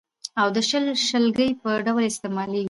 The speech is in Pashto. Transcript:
او د شل، شلګي په ډول استعمالېږي.